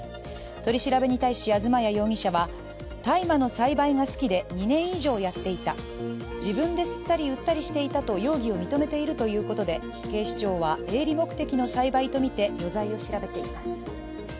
取り調べに対し東谷容疑者は大麻の栽培が好きで２年以上やっていた２年以上やっていた、自分で吸ったり売ったりしていたと容疑を認めているということで警視庁は営利目的の栽培とみて、余罪を調べています。